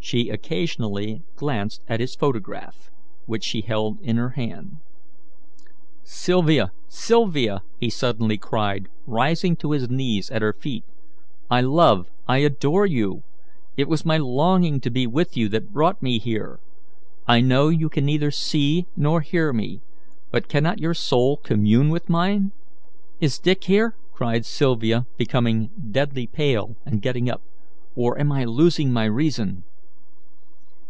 She occasionally glanced at his photograph, which she held in her hand. "Sylvia, Sylvia!" he suddenly cried, rising to his knees at her feet. "I love, I adore you! It was my longing to be with you that brought me here. I know you can neither see nor hear me, but cannot your soul commune with mine?" "Is Dick here?" cried Sylvia, becoming deadly pale and getting up, "or am I losing my reason?"